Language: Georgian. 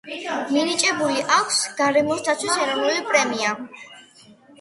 მინიჭებული აქვს გდრ-ის ეროვნული პრემია.